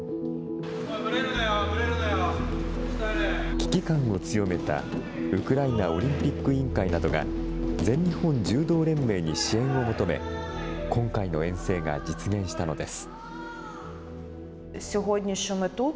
危機感を強めたウクライナオリンピック委員会などが、全日本柔道連盟に支援を求め、今回の遠征が実現したのです。